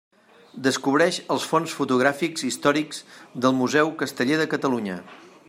Descobreix els fons fotogràfics històrics del Museu Casteller de Catalunya.